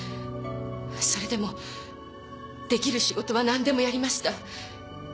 それでもできる仕事は何でもやりました。